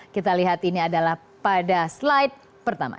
kita lihat ini adalah pada slide pertama